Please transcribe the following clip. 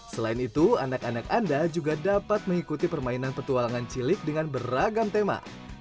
selain itu anak anak anda juga dapat mengikuti permainan petualangan cilik dengan beragam tema